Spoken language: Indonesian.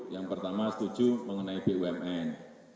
yang pertama setuju mengenai bumn